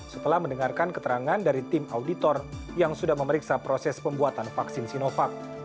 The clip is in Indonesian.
setelah mendengarkan keterangan dari tim auditor yang sudah memeriksa proses pembuatan vaksin sinovac